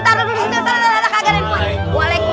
taruh dulu taruh dulu